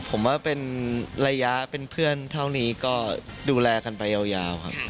ผมว่าเป็นระยะเป็นเพื่อนเท่านี้ก็ดูแลกันไปยาวครับ